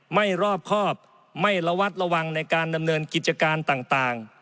ไม่รอบครอบไม่ระวัดระวังในการดำเนินกิจการต่าง